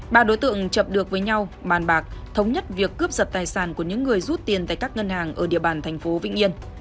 ba đối tượng chập được với nhau bàn bạc thống nhất việc cướp giật tài sản của những người rút tiền tại các ngân hàng ở địa bàn thành phố vĩnh yên